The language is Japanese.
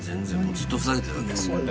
ずっとふざけてるだけですよ。